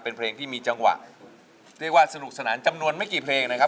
เรียกว่าสนุกสนานจำนวนไม่กี่เพลงนะครับ